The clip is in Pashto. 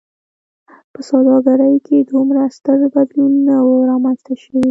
په سوداګرۍ کې دومره ستر بدلون نه و رامنځته شوی.